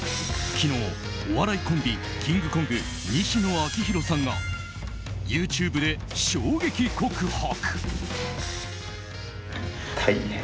昨日、お笑いコンビキングコング西野亮廣さんがＹｏｕＴｕｂｅで衝撃告白。